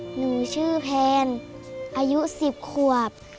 หนูชื่อแพนอายุ๑๐ขวบ